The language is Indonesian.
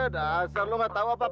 dasar lu nggak tahu apa apa